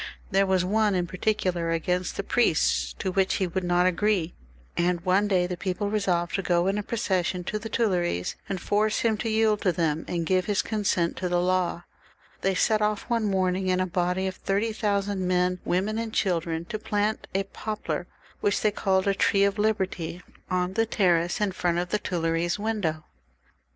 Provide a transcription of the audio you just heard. There was one in particular against the priests to which he would not agree, and one day the people resolved to go in a procession to the Tuileries and force him to yield to them, and give his consent to the law. They set off one morning in a body of thirty thousand men, women, and children, to plant a XLViii.] THE REVOLUTION, 39» poplar which they called a taree of liberty on the terrace in front of the Tuileries windows.